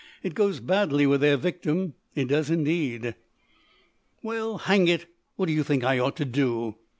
It goes badly with their victim. It does indeed." "Well, hang it, what do you think I ought to do?"